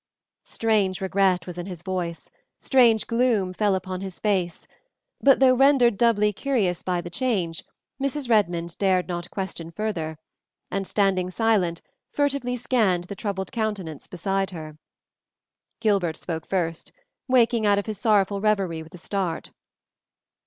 Strange regret was in his voice, strange gloom fell upon his face; but though rendered doubly curious by the change, Mrs. Redmond dared not question further and, standing silent, furtively scanned the troubled countenance beside her. Gilbert spoke first, waking out of his sorrowful reverie with a start.